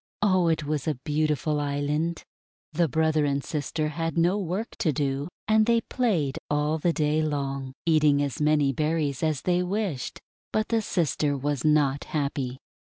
Oh, it was a beautiful island ! The brother and sister had no work to do, and they played all the day long, eating as many berries as they wished. But the sister was not happy.